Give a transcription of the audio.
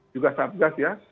juga satgas ya